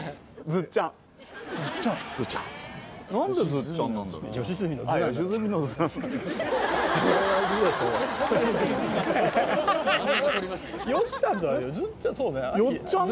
ずっちゃん？